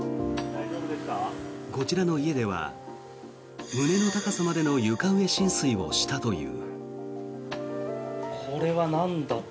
こちらの家では胸の高さまでの床上浸水をしたという。